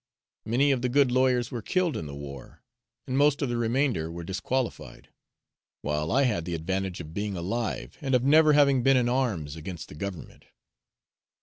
Many of the good lawyers were killed in the war, and most of the remainder were disqualified; while I had the advantage of being alive, and of never having been in arms against the government.